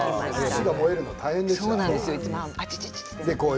串が燃えると大変ですよね。